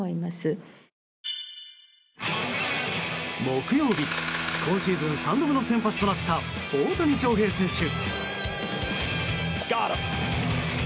木曜日、今シーズン３度目の先発となった大谷翔平選手。